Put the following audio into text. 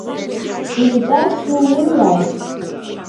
Имҵарсны умыҩааит?!